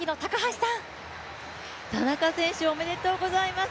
田中選手、おめでとうございます。